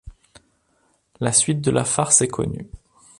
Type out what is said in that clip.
La suite de la farce est connue.